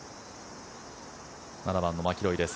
７番のマキロイです。